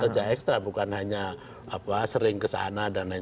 kerja ekstra bukan hanya apa sering ke sana dan lain lain